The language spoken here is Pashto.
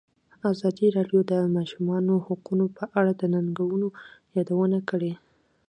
ازادي راډیو د د ماشومانو حقونه په اړه د ننګونو یادونه کړې.